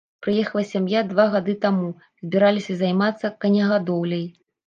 Прыехала сям'я два гады таму, збіраліся займацца конегадоўляй.